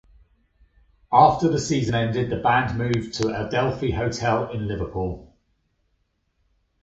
After the season ended, the band moved to the Adelphi Hotel in Liverpool.